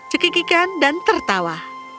cekikikan dan tertawa